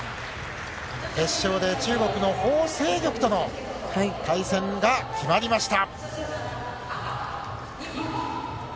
決勝で中国のホウ倩玉との対戦が決まりました。